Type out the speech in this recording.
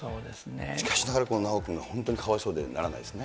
しかしながら修くんが本当にかわいそうでならないですね。